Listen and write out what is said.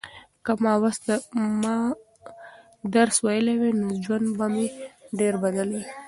که ما درس ویلی وای نو ژوند به مې ډېر بدل و.